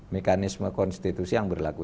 mekanisme konstitusi yang berlaku